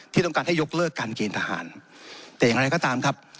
ที่ต้องการให้ยกเลิกการเกณฑ์ทหารแต่อย่างไรก็ตามครับ